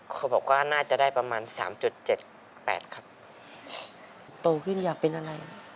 เขาบอกว่าน่าจะได้ประมาณสามจุดเจ็ดแปดครับโตขึ้นอยากเป็นอะไร